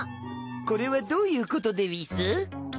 これはどういうことでうぃす？